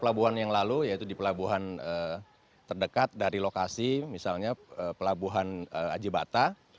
pelabuhan yang lalu yaitu di pelabuhan terdekat dari lokasi misalnya pelabuhan ajibata